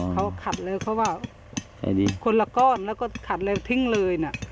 เขาขัดเลยเขาว่าคนละก้อนแล้วก็ขัดเลยทิ้งเลยนะ